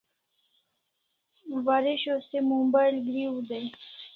Waresho se mobile griu dai